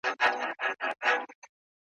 زموږ د سندرو د ښادیو وطن